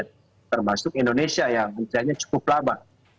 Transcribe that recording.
termasuk indonesia yang usianya cukup lama